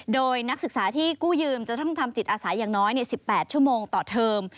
โดยนักศึกษาที่กู้ยืมจะต้องทำจิตอาศัยอย่างน้อย๑๘ชั่วโมงต่อเทอม